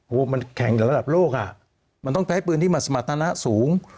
โอ้โหมันแข่งระดับโลกอ่ะมันต้องใช้ปืนที่มันสมรรถนะสูง